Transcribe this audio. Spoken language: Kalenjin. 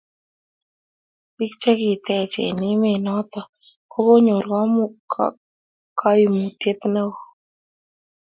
bik che ki tech eng emet noton ko konyor kaimutiet neo